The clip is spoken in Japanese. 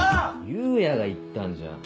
裕也が言ったんじゃん。